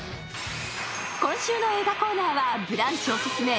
今週の映画コーナーは「ブランチ」オススメ